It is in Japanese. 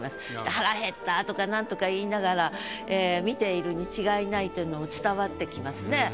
腹へったとか何とか言いながら見ているに違いないというのも伝わってきますね。